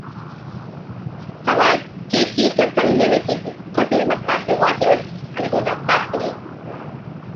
Tama Keiki Company, Limited continued manufacturing watches at the Hino Factory.